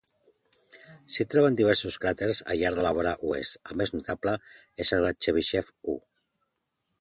S'hi troben diversos cràters al llarg de la vora oest, el més notable és el de Chebyshev U.